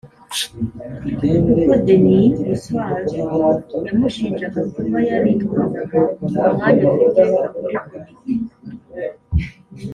kuko Denis Oswald yamushinjaga kuba yaritwazaga umwanya afite muri Komite